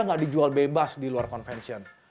nggak dijual bebas di luar konvensi